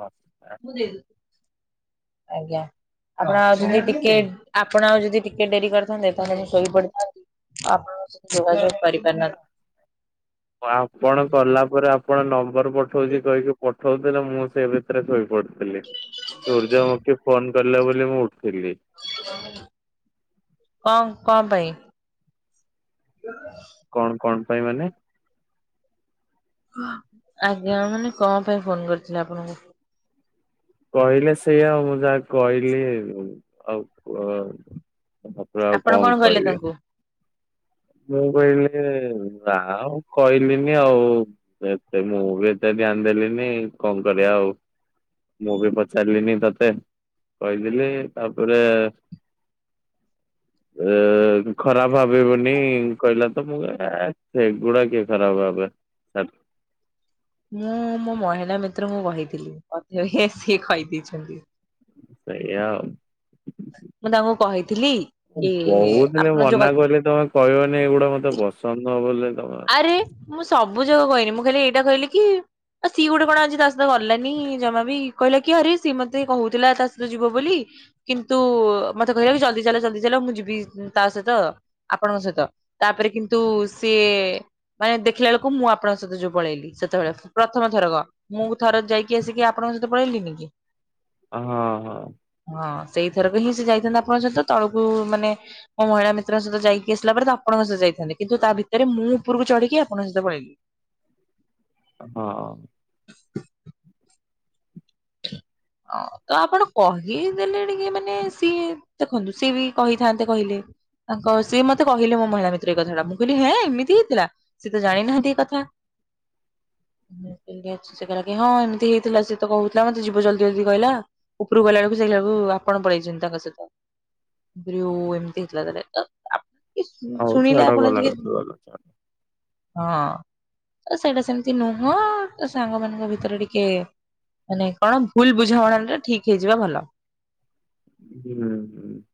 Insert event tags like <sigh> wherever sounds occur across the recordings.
First ଆଜ୍ଞା ଆପଣ ଯେମତି ଟିକେ ଆପଣ ଆଉ ଯଦି ଟିକେ ଡେରି କରିଥାନ୍ତେ ତାହେଲେ ଶୋଇପଡିଥାନ୍ତି। ଆପଣଙ୍କ ଯୋଗାଯୋଗ କରିପାରିନ ଆପଣ କଲା ପରେ ଆପଣ ନମ୍ବର୍ ପଠଉଚି କହିକି ପ ଉଥିଲେ ମୁଁ ସେ ଭିତରେ ଶୋଇ ପଡଥିଲି। ସୂର୍ଯ୍ୟମୁଖୀ ଫୋନ୍ କଲା ବୋଲି ମୁଁ ଉଠିଲି। କଣ କଣ ପାଇଁ? <unintelligible> କଣ କଣ ପାଇଁ ମାନେ? ଆଜ୍ଞା ମାନେ କଣ ପାଇଁ ଫୋନ୍ କରିଥିଲେ ଆପଣଙ୍କୁ? କହିଲେ ସେଇଆ ଆଉ ମୁଁ ଯାହା କହିଲି ଆଉ ଅ, ଆପଣ କଣ କହିଲେ ତାଙ୍କୁ? ମୁଁ କହିଲି ଆଉ କହିଲିନି ଆଉ। ଏତେ ମୁଁ ବି ଏତେ ଧ୍ୟାନ ଦେଲିିନି କଣ କରିବା ଆଉ। ମୁଁ ବି ପଚାରିଲିନି ତୋତେ କହିଦେଲି। ତାପରେ ଏ ଖରାପ ଭାବିବୁନି କହିଲା ତ ମୁଁ କହି ଏ ସେଗୁଡା କିଏ ଖରାପ ଭାବେ। ତାର ମୁଁ ମୋ ମହିଳା ମିତ୍ରଙ୍କୁ କହିଥିଲି ବୋଧେ ସିଏ କହିଦେଇଛନ୍ତି। ସେଇଆ। ମୁଁ ତାଙ୍କୁ କହିଥିଲି ମୁଁ କି କହୁଥିଲି ଆପଣ ଯୋଗ ମନା କଲେେ ତୋମେ କହିବନି ଏଇଗୁଡା ମୋତେ ପସନ୍ଦ ନୁହଁ ବୋଲି। ତୋମେ ଆରେ ମୁଁ ସବୁ ଯାକ କହିନି ମୁଁ ଖାଲି ଏଇଟା କହିଲି କି ଆ ସିଏ ଗୋଟେ କଣ ଆଜି ତା ସହିତ ଗଲାନି ଜମା ବି କହିଲା କି ଆରେ ସିଏ ମୋତେ କହୁଥିଲା ତା ସହ ଯିବ ବୋଲି। କିନ୍ତୁ ମୋତେ କହିଲା କି ଜଲଦି ଚାଲ ଜଲଦି ଚାଲ ମୁଁ ଯିବି ଉଁ, ତା ସହିତ। ଆପଣଙ୍କ ସହିତ ତାପରେ କିନ୍ତୁ ସିଏ ମାନେ ଦେଖିଲା ବେଳକୁ ମୁଁ ଆପଣଙ୍କ ସହିତ ଯୋଉ ପଳେଇଲି ସେତେବେଳେ ପ୍ରଥମ ଥରକ। ମୁଁ ଥର ଯାଇକି ଆସିକି ଆପଣଙ୍କ ସହିତ ପଳେଇଲିନି କି। ଓ, ହଁ, ହଁ। ହଁ ସେଇଥରକ ହିଁ ସେ ଯାଇଥାନ୍ତା ଆପଣଙ୍କ ସହିତ। ତଳକୁ ମାନେ ମୋ ମହିଳା ମିତ୍ରଙ୍କ ସହିତ ଯାଇକି ଆସିଲା ପରେ ତ ଆପଣଙ୍କ ସହ ଯାଇଥାନ୍ତି। କିନ୍ତୁ ତା ଭିତରେ ମୁଁ ଉପରକୁ ଚଢିକି ଆପଣଙ୍କ ସହିତ ପଳେଇଲି। ହଁ। ଓ ତ ଆପଣ କହିିଦେଲେ ଟିକେ ମାନେ ସିଏ ଦେଖନ୍ତୁ ସିଏ ବି କହିଥାନ୍ତେ କହିଲେ। ତାଙ୍କ ସିଏ ମୋତେ କହିଲେ ମୋ ମହିଳା ମିତ୍ର ଏଇ କଥାଟା। ମୁଁ କହିଲି ହେଁ ଏମିତି ହେଇଥିଲା। ସେ ତ ଜାଣି ନାହାନ୍ତି ଏ କଥା। <unintelligible> ସିଏ କହିଲା କି ହଁ ଏମିତି ହେଇଥିଲା ସିଏ ତ କହୁ ନା ମୋତେ ଯିବ ଜଲଦି ଜଲଦି କହିଲା ଉପରକୁ ଗଲା ବେଳକୁ ସେଇଲାକୁ ଆପଣ ପଳେଇଚନ୍ତି ତାଙ୍କ ସହିତ। ମୁଁ କହିଲି ଓ ଏମିତି ହେଇଥିଲା ତାହାଲେ ଓ, ଆ, ଇସ, ଉଁ, ହଉ ଶୁଣିଲେ ଛାଡ ଆପଣ ଗଲା ଟିକେ କଥା ଗଲା ଛାଡ ହଁ ତ ସେଇଟା ସେମିତି ନୁହଁ ତ ସାଙ୍ଗ ମାନଙ୍କ ଭିତରେ ଟିକେ ମାନେ କଣ ଭୁଲ ବୁଝାମଣା ଟା ଠିକ ହେଇଯିବା ଭଲ। <unintelligible>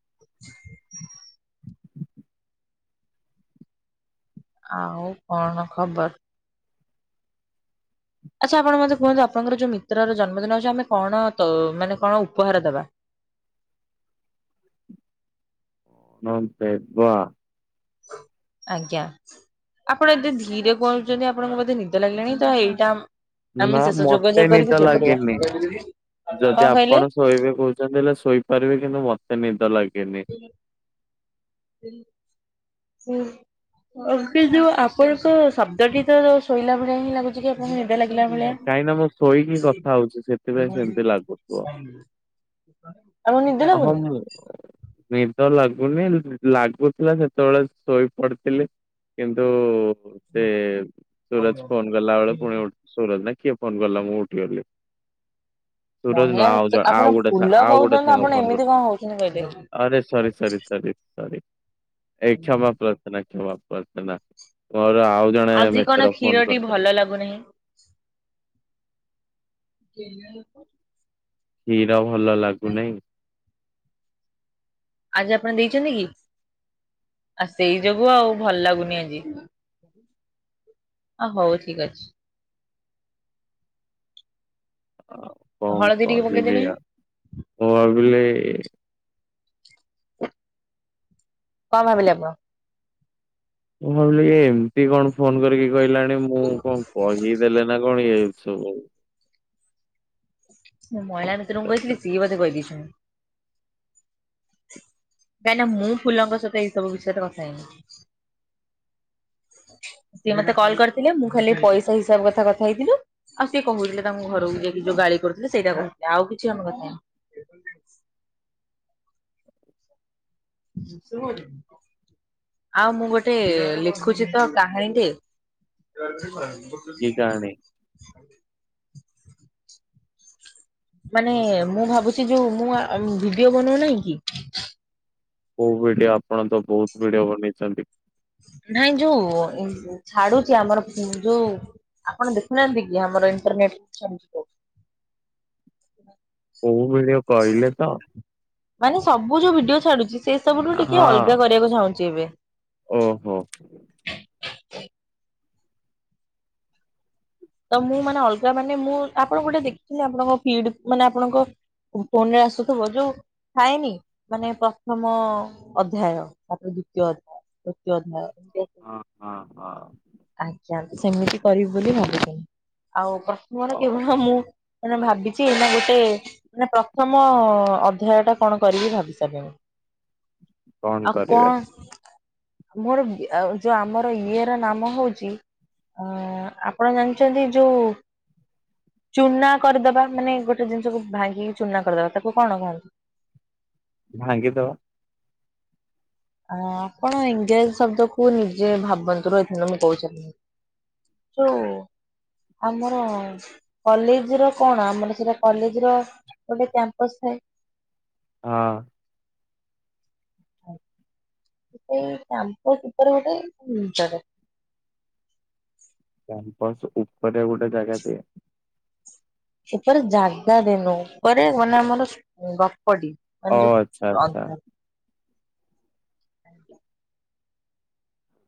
ଆଉ କଣ ଖବର? ଆଚ୍ଛା ଆପଣ ମୋତେ କୁହନ୍ତୁ ଆପଣଙ୍କର ଯୋଉ ମିତ୍ରର ଜନ୍ମଦିନ ଅଛି। ଆମେ କଣ ତ ମାନେ କଣ ଉପହାର ଦବା? ନ ଦେବା। ଆଜ୍ଞା। ଆପଣ ଏତେ ଧୀରେ କହୁଚନ୍ତି ଆପଣଙ୍କୁ ବୋଧେ ନିଦ ଲାଗିଲାଣି ତ ଏଇଟା ଆମ ନା ଆମେ ଶେଷ ମତେ ଯୋଗାଯୋଗ ନିଦ କରିକି ଶୋଇପଡିବା। ଲାଗେନି। କଣ ଯଦି ଆପଣ କହିଲେ? ଶୋଇବେ କହୁଛନ୍ତି ହେଲେ ଶୋଇପାରିବେ କିନ୍ତୁ ମୋତେ ନିଦ ଲାଗିନି। ସେ କି ଯୋଉ ଆପଣଙ୍କ ଶବ୍ଦଟି ତ ଯୋଉ ଶୋଇଲା ଭଳିଆ ହିଁ ଲାଗୁଛି। ଟିକେ ଆପଣଙ୍କୁ ନିଦ ଲାଗିଲା ଭଳିଆ? କାହିଁକି ନା ମୁଁ ଶୋଇକି କଥା ହଉଛି ସେଥିପାଇଁ ସେମିତି ଲାଗୁଥିବ। ଆପଣଙ୍କୁ ନିଦ ହଁ ଲଗୁନି? ମୁଁ ନିଦ ଲାଗୁନି ଲାଗୁଥିଲା ସେତେବେଳେ ଶୋଇ ପଡିଥିଲି। କିନ୍ତୁ ସେ ସୁରଜ ଫୋନ କଲା ବେଳେ ପୁଣି- ସୁରଜ ନା କିଏ ଫୋନ କଲା ମୁଁ ଉଠିଗଲି। ସୁରଜ ମହିଳା ନୂହ୍ନ ମିତ୍ର ଆ ଆପଣ ଆଉ ଗୋଟେ, ସା- ଫୁଲ ଆଉ ଗୋଟେ କହୁଛନ୍ତି ସାଙ୍ଗ ଆପଣ ଫୋନ ଏମିତି କରି- କଣ ହଉଛନ୍ତି କହିଲେ? ଆରେ ସରି ସରି ସରି ସାରୀ, ଏଇ କ୍ଷମା ପାର୍ଥନା କ୍ଷମା ପାର୍ଥନା ଆଜି କଣ କ୍ଷୀରଟି ଭଲ ଲାଗୁନାହିଁ? ଜପ କ୍ଷୀର ଭଲ ଲାଗୁନାହିଁ? ଆଜି ଆପଣ ଦେଇଛନ୍ତି କି? ଆଉ ସେଇ ଯୋଗୁ ଆଉ ଭଲ ଲାଗୁନି ଆଜି। ଅ ହଉ ଠିକ୍ ଅଛି। କଣ ହଳଦୀ ଟିକେ ପକେଇଦେଲେ। କହିବି ଆଉ। ମୁଁ ଭାବିଲି କଣ ଭାବିଲେ ଆପଣ? ମୁଁ ଭାବିଲି, ଏମିତି କଣ ଫୋନ କରିକି କହିଲାଣି ମୁଁ କଣ କହିଦେଲେ ନା କଣ ଇଏ? ସ ହଉ। ମୁଁ ମହିଳା ମିତ୍ରଙ୍କୁ କହିଥିଲି, ସିଏ ବୋଧେ କହିଦେଇଛନ୍ତିୁ। କାହିଁକି ନା ମୁଁ ଫୁଲଙ୍କ ସହିତ ଏଇ ସବୁ ବିଷୟ ରେ କଥା ହେଇନିି। ସିଏ ମତେ କଲ୍ କରିଥିଲେ। ମୁଁ ଖାଲି ପଇସା ହିସାବ କଥା କଥା ହେଇଥିଲି। ଆଉ ସିଏ କଣ କହୁଥିଲେ ତାଙ୍କୁ ଘରକୁ ଯାଇକି ଯୋଉ ଗାଳି କରୁଥିଲେ, ସେଇଟା କହୁଥିଲେ। ଆଉ କିଛି ଆମେ କଥା ହେଇନୁ। ଶୁ ଆଉ ମୁଁ ଗୋଟେ ଲେଖୁଛି ତ କାହାଣୀ ଟେ କୀ କାହାଣି? ମାନେ ମୁଁ ଭାବୁଛି ଯୋଉ ମୁଁ ଭିଡିଓ ବନଉନାହିଁ କି? କୋଉ ଭିଡିଓ, ଆପଣ ତ ବହୁତ ଭିଡିଓ ବନେଇଛନ୍ତି? ନାଇଁ ଯୋଉ ଛାଡୁଛି ଆମର, ଯୋଉ ଆପଣ ଦେଖୁନାହାନ୍ତି କି ଆମର ଇଣ୍ଟରନେଟ୍ କୋଉ ଭିଡିଓ କହିଲେ ତ? ମାନେ ସବୁ ଯୋଉ ଭିଡିଓ ଛାଡୁଛି ସେ ସବୁଠୁ ଟିକେ ହଁ ଅଲଗା କରିବାକୁ ଚାହୁଁଛି ଏବେ। ଓହୋ। ତ ମୁଁ ମାନେ ଅଲଗା ମାନେ, ମୁଁ ଆପଣ ଗୋଟେ ଦେଖିଥିଲି ଆପଣଙ୍କ ଫିଡ୍, ମାନେ ଆପଣଙ୍କ ଫୋନ ରେ ଆସୁଥିବ ଯଉ ଥାଏନି ମାନେ ପ୍ରଥମ ଅଧ୍ୟାୟ ତା ଦ୍ଵିତୀୟ ଅଧ୍ୟାୟ ତୁତୀୟ ଅଧାୟ। ହଁ ହଁ ହଁ। ଆଜ୍ଞା। ସେମିତି କରିବି ବୋଲି ଭାବିଥିଲି। ଆଉ ପ୍ରଥମ କର ହଉ କେବଳ ମୁଁ ମାନେ ଭାବିଛି ଏଇ ନା ଗୋଟେ ମାନେ ପ୍ରଥମ ଅଧ୍ୟାୟ ଟା କଣ କରିବି ଭାବି ସାରିଲିନି। କଣ ଆ କରିବେ କଣ ମୋର ଯୋଉ ଆମର ଇଏ ର ନାମ ହଉଛି, ଅ ଆପଣ ଜାଣି ଛନ୍ତି ଯୋଉ ଚୁନା କରିଦବା, ମାନେ ଗୋଟେ ଜିନିଷକୁ ଭାଙ୍ଗିକି ଚୁନା କରିଦବା ତାକୁ କଣ କୁହନ୍ତି? ଭାଙ୍ଗି ଦବା। ଆପଣ ଇଂରାଜୀ ଶବ୍ଦ କୁ ନିଜେ ଭାବନ୍ତୁ। ରହିଥା ମୁଁ କହୁଛି। ଯଉ ଆମର କଲେଜ ର କଣ? ଆମର ସେଟା କଲେଜ୍ ର ଗୋଟେ କ୍ୟାମ୍ପସ ଥାଏ। ହଁ। ହଉ ଗୋଟେ ଏଇ ଶାନ୍ତ ସୂତାର ଗୋଟେ ନିଜର କ୍ୟାମ୍ପସ ଉପରେ ଗୋଟେ ଜାଗା ଟେ ଉପରେ ଜାଗା ଦେଇନୁ ଉପରେ ମାନେ ଆମର ଗପଡି ଆ ଓ ଆଚ୍ଛା ଆଚ୍ଛା। <unintelligible>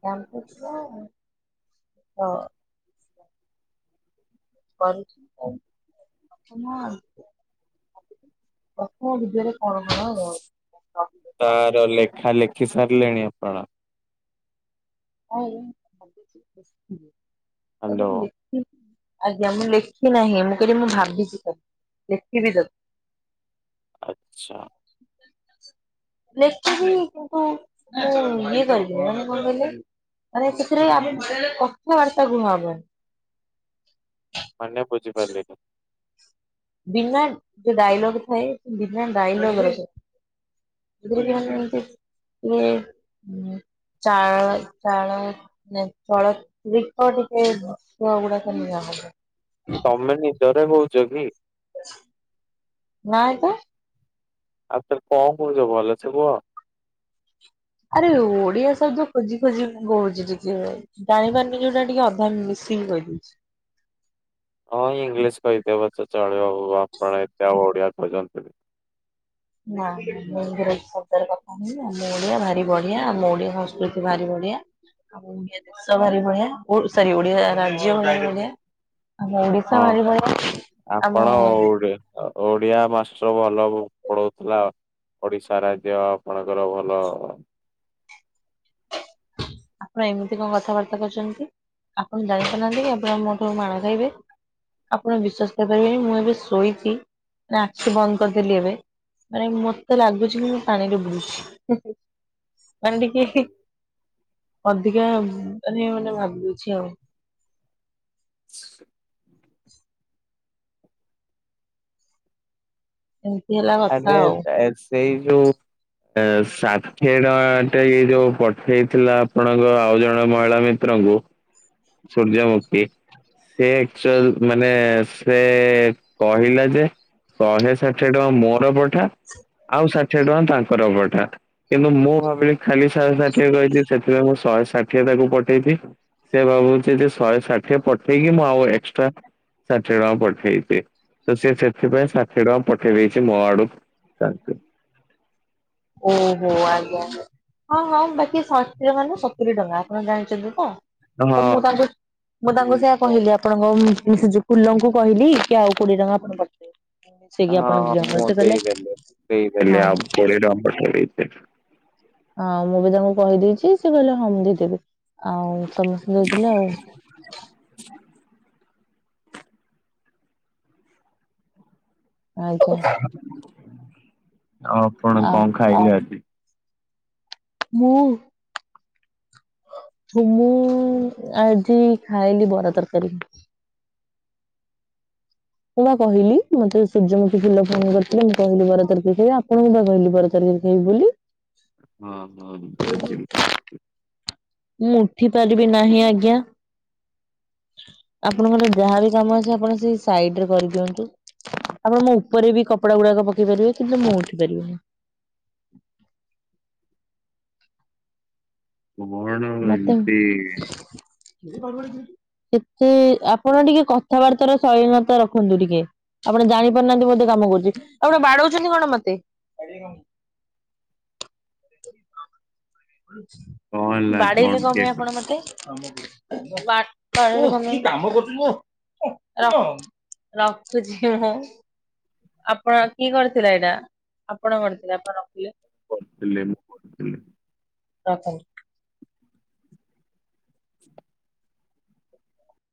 କ୍ୟାମ୍ପସ ତ କରିଛି <unintelligible> ପ୍ରଥମ ବିଦ୍ୟାରେ କଣ କଣ ତାପରେ ତାର ଲେଖା ଲେଖି ସାରିଲେଣି ଆପଣ? ହଁ ଏଇ <unintelligible> ଏବେ ହ୍ୟାଲୋ ଲେଖ ଆଜ୍ଞା ମୁଁ ଲେଖି ନାହିଁ ମୁଁ କହିଲି ମୁଁ ଭାବିଛି ତ ଲେଖିବି ତ ଆଚ୍ଛା। ଲେଖିବି କିନ୍ତୁ ମୁଁ ଇଏ କରିବି ମାନେ କଣ କହିଲେ ମାନେ ସେଥିରେ ଆମେ କଥାବାର୍ତ୍ତା <unintelligible> ହବନି। ମାନେ ବୁଝି ପାରିଲିନି? ବିନା ଯୋଉ ଡାଇଲଗ ଥାଏ ବିନା ଡାଇଲଗରେ ସେଥିରେ ଟିକେ ମାନେ ଏମିତି ଇଏ ହୁଁ ଚାଳ ଚାଳ ନାଇ ଚଳ ଦୀପ ଟିକେ ଦୀପ ଗୁଡାକ ନିଆ ହବ ତମେ ନିଦରେ କହୁଛ କି? ନାଇ ତ ଆଉ ତ କଣ କହୁଛ ଭଳସେ କୁହ? ଆରେ ଓଡିଆ ଶବ୍ଦ ଖୋଜି ଖୋଜି ମୁଁ କହୁଛି ଟିକେ। ଜାଣିପାରୁନି ଯୋଉଟା ଟିକେ ଅଧା ମିସିକି କହିଦେଉଛି। ହଁ ଇଂଲିଶ କହିଦେବ ଚ ଚଳିବ ଆପଣ ଏତେ ଆଉ ଓଡ଼ିଆ ଖୋଜନ୍ତ ନା ମୁଁ ହିନ୍ଦୀରେ କଥା ନଁ ଆମ ଓଡିଆ ଭାରି ବଢିଆ ଆମ ଓଡିଆ ସଂସ୍କୃତି ଭାରି ବଢିଆ। ଆଉ ଓଡିଆ ଦେଶ ଭାରି ଵଢିଆ ଓ ସରି ଓଡିଆ ରାଜ୍ୟ ଭାରି ବଢ଼ିଆ। ଆମ ଓଡିଶା ହଁ ଭାରି ବଢ଼ିଆ ଆମ ଆପଣ ଓଡି ଓଡିଆ ମାଷ୍ଟର ଭଲ ପଢଉଥିଲା ଆଉ। ଓଡିଶା ରାଜ୍ୟ ଆପଣଙ୍କର ଭଲ ଆପଣ ଏମିତି କଣ କଥାବାର୍ତ୍ତା କରିଛନ୍ତି ଆପଣ ଜାଣିପାରୁନାହାନ୍ତି ଆପଣ ମୋଠୁ ମାଡ଼ ଖାଇବେ। ଆପଣ ବିଶ୍ୱାସ କରିପାରିବେନି ମୁଁ ଏବେ ଶୋଇଚି ଆଖି ବନ୍ଦ କରିଦେଲି ଏବେ ମାନେ ମତେ ଲାଗୁଛି କି ମୁଁ ପାଣିରେ ବୁଡ଼ୁଛି। ମାନେ ଟିକେ ହେ ଅଧିକା ମାନେ ମାନେ ଭାବୁଛି ଆଉ। <inaudible> ଏମିତି ହେଲା କଥା ଆରେ ଆଉ। ସେଇ ଯୋଉ ଆ ଷାଠିଏ ଟଙ୍କା ଟେ ଏଇ ଯୋଉ ପଠେଇଥିଲା ଆପଣଙ୍କ ଆଉ ଜଣେ ମହିଳା ମିତ୍ରଙ୍କୁ ସୁର୍ଯ୍ୟାମୁଖି ସେ ଏକ୍ଟୁଆଲ ମାନେ ସେ କହିଲା ଯେ ଶହେ ଷାଠିଏ ଟଙ୍କା ମୋର ପଠା ଆଉ ଷାଠିଏ ଟଙ୍କା ତାଙ୍କର ପଠା କିନ୍ତୁ ମୁଁ ଭାବିଲି ଖାଲି ଶହେ ଷାଠିଏ କହିଥିଲି ସେଥିପାଇଁ ମୁଁ ଶହେ ଷାଠିଏ ତାକୁ ପଠେଇବି ସେ ଭାବୁଛି ଯେ ଶହେ ଷାଠିଏ ପଠେଇକି ମୁଁ ଆଉ ଏକ୍ସଟ୍ରା ଷାଠିଏ ଟଙ୍କା ପଠେଇଛି। ତ ସିଏ ସେଥିପାଇଁ ଷାଠିଏ ଟଙ୍କା ପଠେଇ ଦେଇଛି ମୋ ଆଡୁ ତାଙ୍କୁ। ଓହୋ ଆଜ୍ଞା। ହଁ ହଁ ବାକି ଷାଠିଏ ମାନେ ସତୁୁରି ଟଙ୍କା ଆପଣ ଜାଣିଛନ୍ତି ତ? ତ ହଁ ମୁଁ ତାଙ୍କୁ ମୁଁ ତାଙ୍କୁ ସେୟା କହିଲି ଆପଣଙ୍କ ମ ସେ ଯୋଉ ଫୁଲଙ୍କୁ କହିଲି କି ଆଉ କୋଡିଏ ଟଙ୍କା। <unintelligible> ମିଶେଇକି ହଁ ଆପଣ ଦି ହଁ ଜଣ ମୁଁ ସେ କହିଲେ ଦେଇଦେଲି ହଁ ଦେଇଦେଲି ଆଉ କୋଡିଏ ଟଙ୍କା ପଠେଇଵି। ଆଉ ମୁଁ ବି ତାଙ୍କୁ କହିଦେଇଛି। ସେ କହିଲେ ହଁ ମୁଁ ଦେଇଦେବି, ଆଉ ସମସ୍ତେ ଦେଇଥିଲେ ଆଉ। ଆଜ୍ଞା <unintelligible> ଆଉ ଆପଣ ଆଉ କଣ ଖାଇଲେ ଆଜି? ମୁଁ? ମୁଁ ଆଜି ଖାଇଲି ବରା ତରକାରୀ। ମୁଁ ବା କହିଲି ମତେ ସୂର୍ଯ୍ୟମୁଖୀ ଫୁଲ ଫୋନ କରଥିଲେ ମୁଁ କହିଲି ବରା ତରକାରି ଖାଇ ଆପଣଙ୍କୁ ବି କହିଲି ବରାତରକାରୀ। <unintelligible> ବୋଲି। ହଁ ହଁ <unintelligible> ମୁଁ ଉଠି ପାରିବି ନାହିଁ ଆଜ୍ଞା। ଆପଣଙ୍କର ଯାହାବି କାମ ଅଛି ଆପଣ ସେଇ ସାଇଡ ରେ କରିଦିଅନ୍ତୁ। ଆପଣ ମୋ ଉପରେ ବି କପଡା ଗୁଡାକ ପକେଇ ପାରିବେ କିନ୍ତୁ ମୁଁ ଉଠି ପାରିବିିନି। <unintelligible> ମତେ। କେତେ ଆପଣ ଟିକେ କଥାବାର୍ତ୍ତାର ଶଳୀନତା ରଖନ୍ତୁ ଟିକେ। ଆପଣ ଜାଣିପାରୁନାହାନ୍ତି ବୋଧେ କାମ କରୁଛି ଆପଣ ବାଡଉଛନ୍ତି କଣ ମତେ? କଣ ହେଲା ବାଡେଇଲେ କଣ କିଏ ପାଇଁ ଆପଣ ମତେ ଵା ବାଡ଼େଇଲୁ କଣପାଇଁ କାମ କରୁଚି ମୁଁ <unintelligible> ର ରଖୁଛି ମୁଁ। ଆପଣ କି କରିଥିଲେ ଏଇଟା ଆପଣ କରିଥିଲେ ଆପଣ ରଖିଲେ। <unintelligible> <unintelligible> <unintelligible>